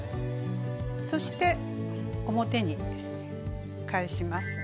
そして表に返します。